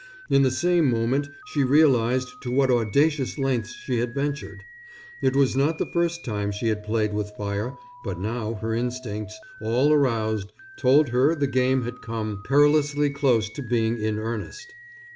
In the same moment she realized to what audacious lengths she had ventured. It was not the first time she had played with fire, but now her instincts, all aroused, told her the game had come perilously close to being in earnest.